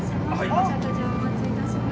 お食事をお持ちいたしました。